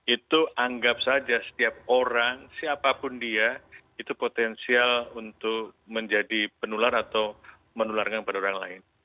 itu anggap saja setiap orang siapapun dia itu potensial untuk menjadi penular atau menularkan kepada orang lain